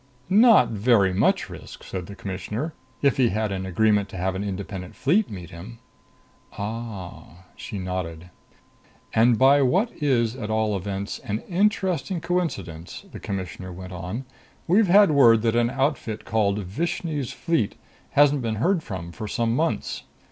"Not very much risk," said the Commissioner, "if he had an agreement to have an Independent Fleet meet him." "Oh." She nodded. "And by what is, at all events, an interesting coincidence," the Commissioner went on, "we've had word that an outfit called Vishni's Fleet hasn't been heard from for some months.